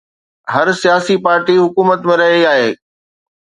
هر سياسي پارٽي حڪومت ۾ رهي آهي.